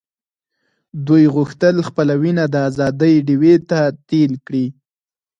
دوی غوښتل خپله وینه د آزادۍ ډیوې ته تېل کړي.